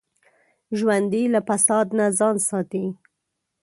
ژوندي له فساد نه ځان ساتي